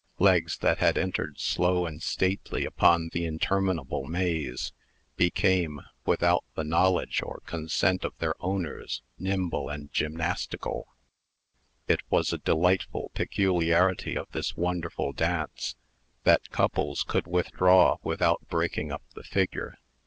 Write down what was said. Legs that had entered slow and stately upon the interminable maze, became, without the knowledge or consent of their owners, nimble and gymnastics. It was a delightful peculiarity of this wonderful dance, that couples could withdraw without breaking up the figure.